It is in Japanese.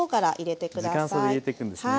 時間差で入れていくんですね。